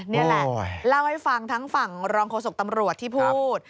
นี่แหละเล่าให้ฟังทั้งฝั่งรองโฆษกตำรวจที่พูด